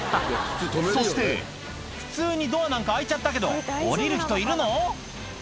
そして普通にドアなんか開いちゃったけど降りる人いるの？